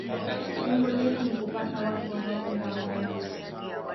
lengo letu ni kupata watu wanaopenda mradi wetu